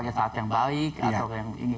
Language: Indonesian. pada saat yang baik atau yang ini